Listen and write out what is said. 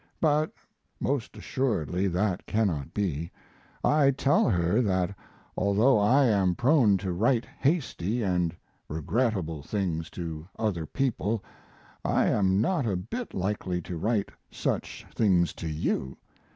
But most assuredly that cannot be. I tell her that although I am prone to write hasty and regrettable things to other people I am not a bit likely to write such things to you.